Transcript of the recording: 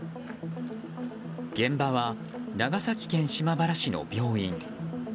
現場は長崎県島原市の病院。